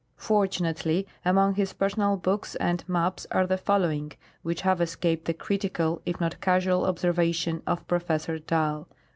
Fortunately, among his personal books and maps are the following, which have escaped the critical, if not casual, observation of Professor Dall : 1.